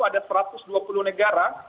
ada satu ratus dua puluh negara